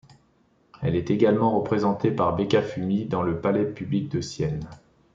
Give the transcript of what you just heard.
Elle est également représenté par Beccafumi dans le palais Public de Sienne.